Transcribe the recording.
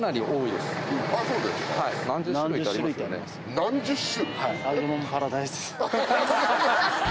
何十種！？